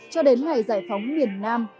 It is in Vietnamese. cho đến ngày giải phóng miền nam